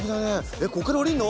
えっここから下りるの？